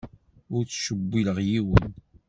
Ur ttcewwileɣ yiwen.